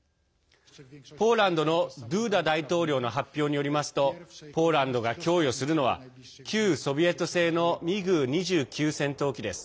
ポーランドのドゥダ大統領の発表によりますとポーランドが供与するのは旧ソビエト製のミグ２９戦闘機です。